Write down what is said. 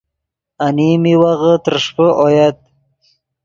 انیم میوغے ترݰپے اویت